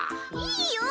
いいよ！